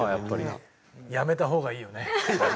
やめた方がいいよね。